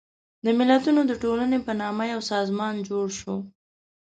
د ملتونو د ټولنې په نامه یو سازمان جوړ شو.